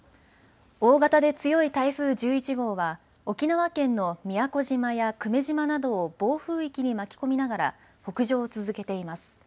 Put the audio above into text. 大型で強い台風１１号は沖縄県の宮古島や久米島などを暴風域に巻き込みながら北上を続けています。